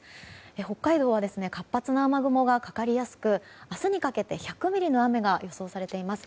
北海道は活発な雨雲がかかりやすく明日にかけて１００ミリの雨が予想されています。